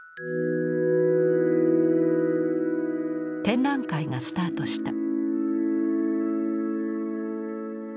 展覧会がスタートした。